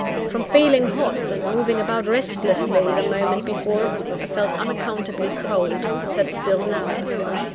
From feeling hot, and moving about restlessly the moment before, I felt unaccountably cold, and sat still now.